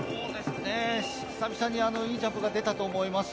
久々にいいジャンプが出たと思います。